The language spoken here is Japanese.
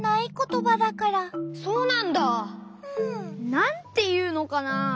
なんていうのかな。